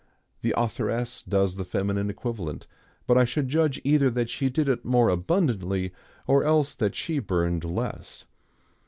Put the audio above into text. The authoress does the feminine equivalent, but I should judge either that she did it more abundantly or else that she burned less.